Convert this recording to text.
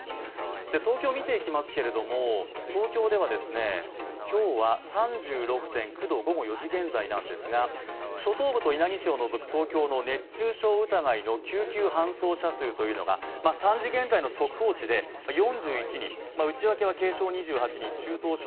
東京見ていきますけれども、東京では今日は３６．９度午後４時現在なんですが島しょ部と稲城を除く東京の熱中症疑いの救急搬送者数というのが３時現在の速報値で４１人です。